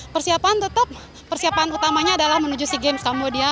persiapan tetap persiapan utamanya adalah menuju sea games kambodia